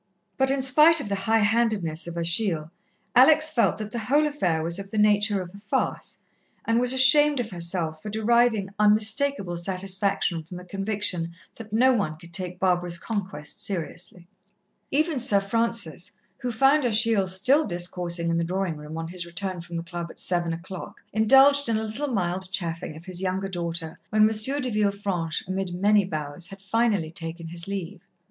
But in spite of the high handedness of Achille, Alex felt that the whole affair was of the nature of a farce, and was ashamed of herself for deriving unmistakable satisfaction from the conviction that no one could take Barbara's conquest seriously. Even Sir Francis, who found Achille still discoursing in the drawing room on his return from the Club at seven o'clock, indulged in a little mild chaffing of his younger daughter when M. de Villefranche amid many bows, had finally taken his leave.